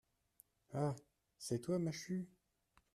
Ah ! c’est toi, Machut ?